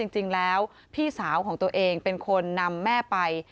จริงแล้วพี่สาวของตัวเองเป็นคนนำแม่ไป